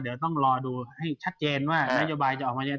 เดี๋ยวต้องรอดูให้ชัดเจนว่านโยบายจะออกมายังไง